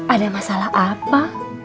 ada masalah apa